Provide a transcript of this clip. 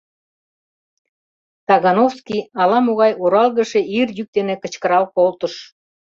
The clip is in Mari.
— Тагановский ала-могай оралгыше ир йӱк дене кычкырал колтыш.